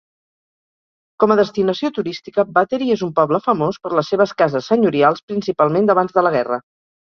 Com a destinació turística, Battery és un poble famós per les seves cases senyorials principalment d"abans de la guerra.